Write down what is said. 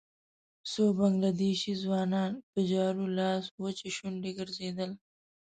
څو بنګله دېشي ځوانان په جارو لاس وچې شونډې ګرځېدل.